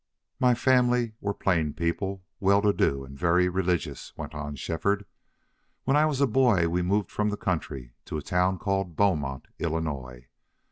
"My family were plain people, well to do, and very religious," went on Shefford. "When I was a boy we moved from the country to a town called Beaumont, Illinois.